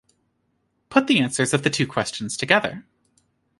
Put the answers of the two questions together.